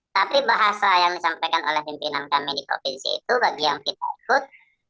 tapi bahasa yang disampaikan oleh pimpinan kami di provinsi itu bagi yang kita ikut